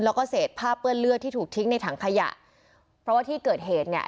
แล้วก็เศษผ้าเปื้อนเลือดที่ถูกทิ้งในถังขยะเพราะว่าที่เกิดเหตุเนี่ย